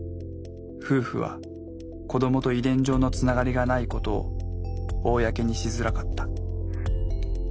夫婦は子どもと遺伝上のつながりがないことを公にしづらかった。